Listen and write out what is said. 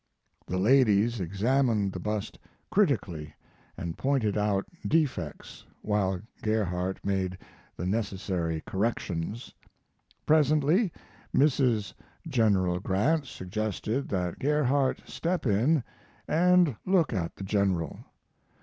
The ladies examined the bust critically and pointed out defects, while Gerhardt made the necessary corrections. Presently Mrs. General Grant suggested that Gerhardt step in and look at the General.